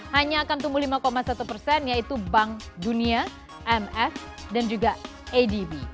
hanya akan tumbuh lima satu persen yaitu bank dunia mf dan juga adb